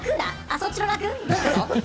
あ、そっちの楽？